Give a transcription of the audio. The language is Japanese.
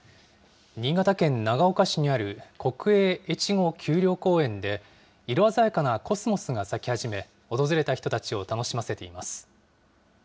新潟県長岡市にある国営越後丘陵公園で、色鮮やかなコスモスが咲き始め、訪れた人たちを楽しませています。